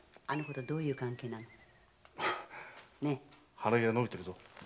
鼻毛が伸びてるぞ。